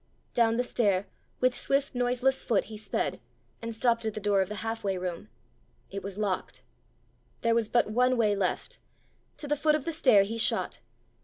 Down the stair, with swift noiseless foot he sped, and stopped at the door of the half way room. It was locked! There was but one way left! To the foot of the stair he shot.